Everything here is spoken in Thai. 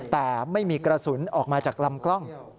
แต่ไม่มีกระสุนออกมาจากลำกล้อง